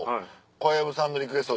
小籔さんのリクエストで。